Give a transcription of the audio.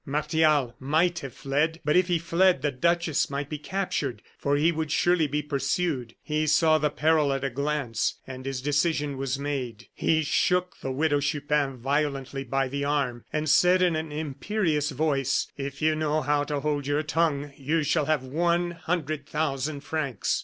Martial might have fled; but if he fled, the duchess might be captured, for he would certainly be pursued. He saw the peril at a glance, and his decision was made. He shook the Widow Chupin violently by the arm, and said, in an imperious voice: "If you know how to hold your tongue you shall have one hundred thousand francs."